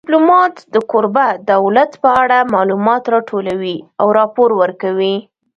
ډیپلومات د کوربه دولت په اړه معلومات راټولوي او راپور ورکوي